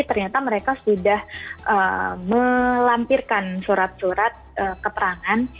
ternyata mereka sudah melampirkan surat surat keterangan